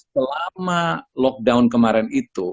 selama lockdown kemarin itu